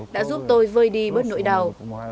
đã giúp tôi vơi đi bớt nỗi đau